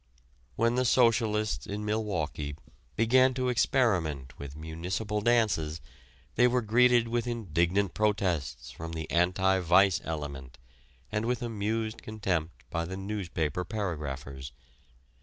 When the socialists in Milwaukee began to experiment with municipal dances they were greeted with indignant protests from the "anti vice" element and with amused contempt by the newspaper paragraphers.